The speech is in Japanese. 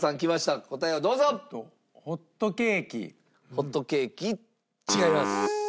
ホットケーキ違います。